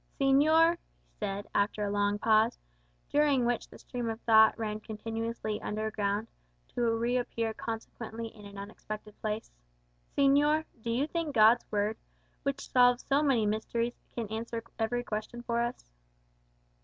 "Señor," he said, after a long pause, during which the stream of thought ran continuously underground, to reappear consequently in an unexpected place "Señor, do you think God's Word, which solves so many mysteries, can answer every question for us?"